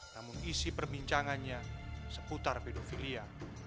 namun isi perbincangannya seputar pedofilia